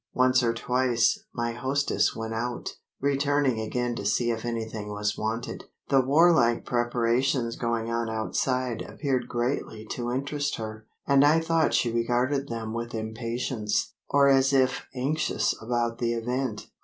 Once or twice, my hostess went out, returning again to see if anything was wanted. The warlike preparations going on outside appeared greatly to interest her; and I thought she regarded them with impatience, or as if anxious about the event.